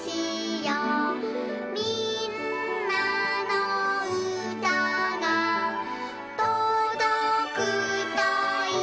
「みんなのうたがとどくといいな」